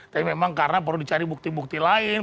tapi memang karena perlu dicari bukti bukti lain